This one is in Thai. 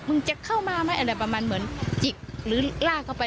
จะเข้ามาไหมอะไรประมาณเหมือนจิกหรือลากเข้าไป